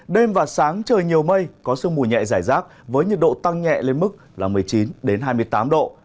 đêm và sáng trời nhiều mây có sương mù nhẹ giải rác với nhiệt độ tăng nhẹ lên mức là một mươi chín hai mươi tám độ